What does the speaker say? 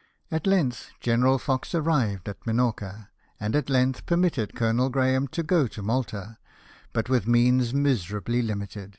" At length General Fox arrived at Minorca, and at length permitted Colonel Graham to go to Malta, but with means miserably limited.